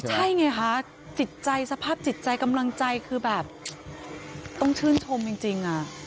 ใช่ไงคะจิตใจสภาพจิตใจกำลังใจคือแบบต้องชื่นชมจริง